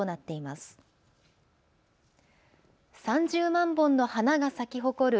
３０万本の花が咲き誇る